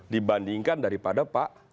dibandingkan daripada pak